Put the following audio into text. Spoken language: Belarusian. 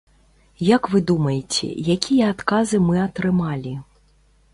Як вы думаеце, якія адказы мы атрымалі?